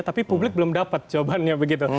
tapi publik belum dapat jawabannya begitu